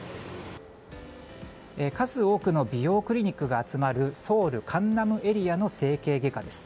数多くの美容クリニックが集まるソウル・カンナムエリアの整形外科です。